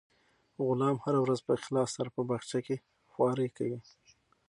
غلام هره ورځ په اخلاص سره په باغچه کې خوارۍ کوي.